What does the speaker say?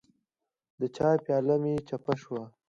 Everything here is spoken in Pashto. د چای پیاله مې چپه شوه.